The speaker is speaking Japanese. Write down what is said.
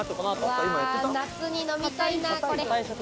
夏に飲みたいな、これ。